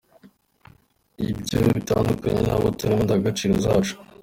Ibyo bitandukanye n’abo turibo n’indangagaciro zacu.